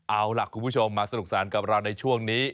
เอาล่ะคุณผู้ชมมาสนุกสนานกับเราในช่วงนี้